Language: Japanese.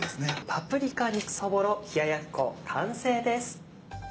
パプリカ肉そぼろ冷ややっこ完成です。